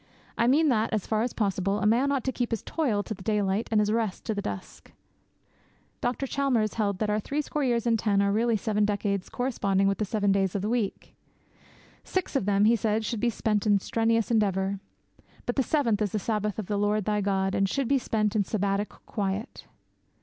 I mean that, as far as possible, a man ought to keep his toil to the daylight, and his rest to the dusk. Dr. Chalmers held that our three score years and ten are really seven decades corresponding with the seven days of the week. Six of them, he said, should be spent in strenuous endeavour. But the seventh is the Sabbath of the Lord thy God, and should be spent in Sabbatic quiet.